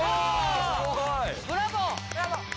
ブラボー。